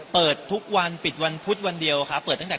ภทวันเดียวครับเปิดตั้งแต่๙๓๐๓๐๐